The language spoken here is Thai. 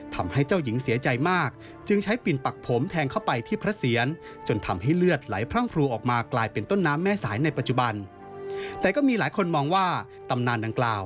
ทำให้เจ้าหญิงเสียใจมาก